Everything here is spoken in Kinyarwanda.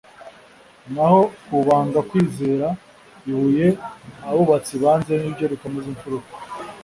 naho ku banga kwizera, ibuye abubatsi banze ni ryo rikomeza imfunika,